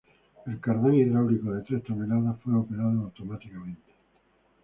El cardán hidráulico de tres toneladas fue operado automáticamente.